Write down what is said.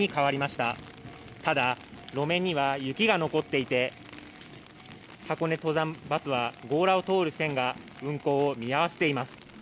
ただ路面には雪が残っていて箱根登山バスは強羅を通る線が運行を見合わせています。